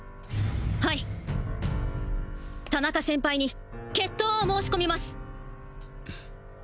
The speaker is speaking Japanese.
はい田中先輩に決闘を申し込みます